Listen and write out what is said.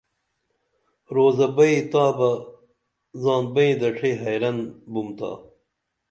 روضہ بئیں تا بہ زان بئیں دڇھی حیرن بِمتا